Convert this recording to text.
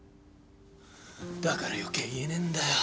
だから余計言えねえんだよ。